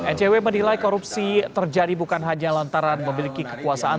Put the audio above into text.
ncw menilai korupsi terjadi bukan hanya lantaran memiliki kekuasaan